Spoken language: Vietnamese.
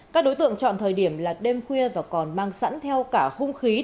các đối tượng chọn thời điểm là đêm khuya và còn mang sẵn theo cả hung khí